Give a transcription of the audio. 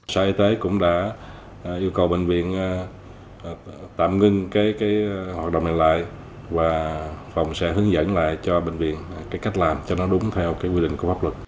sở y tế cũng đã yêu cầu bệnh viện tạm ngưng cái hoạt động này lại và phòng sẽ hướng dẫn lại cho bệnh viện cách làm cho nó đúng theo quy định của pháp luật